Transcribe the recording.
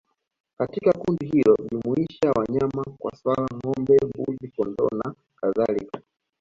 Katika kundi hilo hujumuisha wanyama kama swala ngombe mbuzi kondoo na kadhalika